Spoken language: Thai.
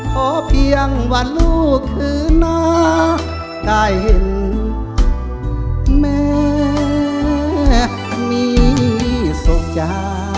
เพราะเพียงวันลูกคืนหน้าได้เห็นแม่มีสุขใจ